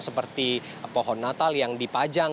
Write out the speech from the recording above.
seperti pohon natal yang dipajang